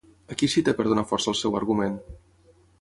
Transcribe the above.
A qui cita per donar força al seu argument?